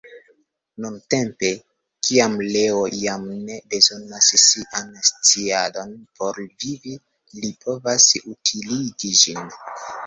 Nuntempe, kiam Leo jam ne bezonas sian sciadon por vivi, li povas utiligi ĝin.